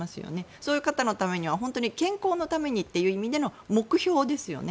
そういう方のためには本当に健康のためにという意味での目標ですよね。